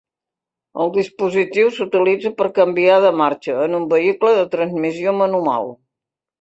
El dispositiu s'utilitza per canviar de marxa, en un vehicle de transmissió manual.